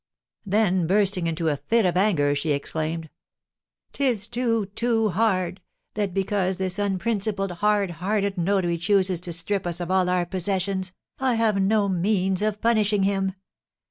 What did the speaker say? Then bursting into a fit of anger, she exclaimed, "'Tis too, too hard, that because this unprincipled, hard hearted notary chooses to strip us of all our possessions, I have no means of punishing him!